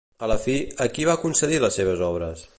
A la fi, a qui va concedir les seves obres?